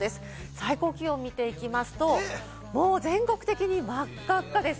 最高気温を見ていきますと、全国的に真っ赤っかです。